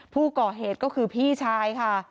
ผู้ก่อเหตุก็คือพี่ชายค่ะ